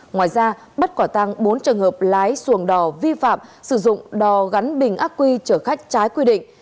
ngoài ra bắt quả tăng bốn trường hợp lái xuồng đò vi phạm sử dụng đò gắn bình ác quy chở khách trái quy định